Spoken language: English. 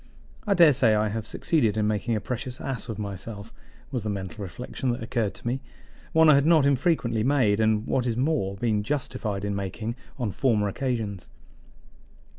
"I daresay I have succeeded in making a precious ass of myself," was the mental reflection that occurred to me one I had not infrequently made, and, what is more, been justified in making on former occasions.